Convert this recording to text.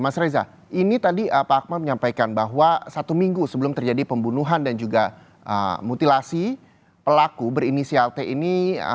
mas reza ini tadi pak akmal menyampaikan bahwa satu minggu sebelum terjadi pembunuhan dan juga mutilasi pelaku berinisial t ini